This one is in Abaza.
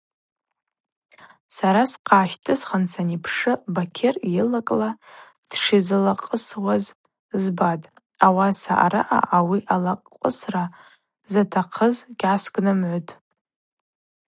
Сара схъа гӏащтӏысхын санипшы Бакьыр йылакӏла дшизылакъвысуаз збатӏ, ауаса араъа ауи алакъвысра затахъыз гьгӏасгвнымгӏвытӏ.